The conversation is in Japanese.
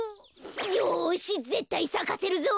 よしぜったいさかせるぞ。